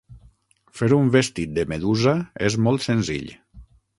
Fer un vestit de medusa és molt senzill.